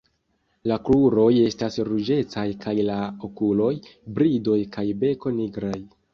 La kruroj estas ruĝecaj kaj la okuloj, bridoj kaj beko nigraj.